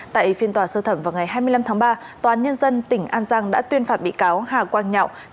tại phiên tòa sơ thẩm vào ngày hai mươi năm tháng ba tòa án nhân dân tỉnh an giang đã tuyên phạt bị cáo